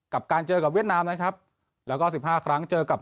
กับการเจอกับเวียดนามนะครับแล้วก็สิบห้าครั้งเจอกับ